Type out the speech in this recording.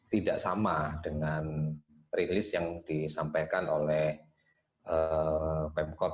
tidak sama dengan rilis yang disampaikan oleh pemkot